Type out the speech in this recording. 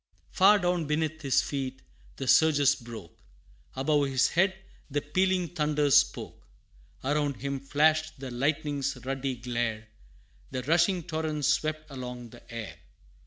Far down beneath his feet, the surges broke; Above his head the pealing thunders spoke; Around him flashed the lightning's ruddy glare, And rushing torrents swept along the air.